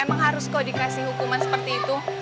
emang harus kok dikasih hukuman seperti itu